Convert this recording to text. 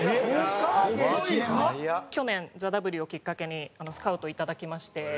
去年ＴＨＥＷをきっかけにスカウトいただきまして。